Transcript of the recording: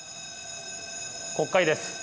国会です。